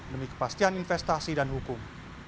demi kepastian investasi dan hukum